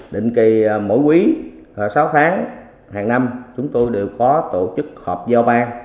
định kỳ mỗi quý sáu tháng hàng năm chúng tôi đều có tổ chức họp giao ban